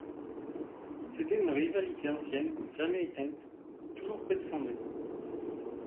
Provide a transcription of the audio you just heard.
C’était une rivalité ancienne, jamais éteinte, toujours près de flamber.